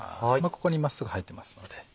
ここに真っすぐ入ってますので。